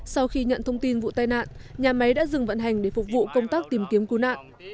sau khi nhận thông tin vụ tai nạn nhà máy đã dừng vận hành để phục vụ công tác tìm kiếm cứu nạn